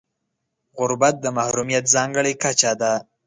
غربت د محرومیت ځانګړې کچه ده.